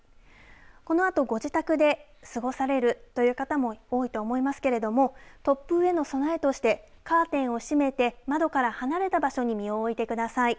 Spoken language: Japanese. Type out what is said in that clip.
このあと、ご自宅で過ごされるという方も多いと思いますけれども突風への備えとしてカーテンを閉めて窓から離れた場所に身を置いてください。